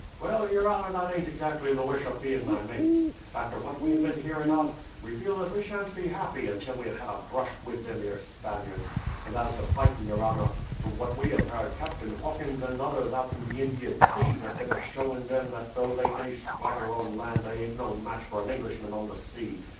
"Well, your honour, that ain't exactly the wish of me and my mates. After what we have been hearing of, we feel as we sha'n't be happy until we have had a brush with them 'ere Spaniards. And as to fighting, your honour; from what we have heard, Captain Hawkins and others out in the Indian seas have been ashowing them that though they may swagger on land they ain't no match for an Englishman on the sea.